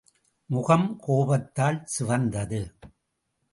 முகம் கோபத்தால் சிவந்தது.